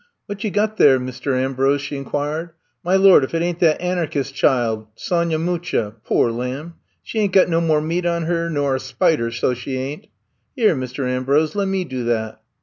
Wot you got there, Mist' Ambrose f she inquired, "My Lor*, if *t ain't that Ari'chis' chile, Sonya Mucha. Pore lamb, she ain't got no more meat on her nur a spider, so she ain'. Here Mist' Ambrose, lemme do that."